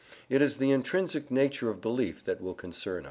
It is the intrinsic nature of belief that will concern us to day.